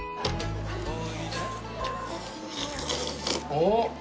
おっ！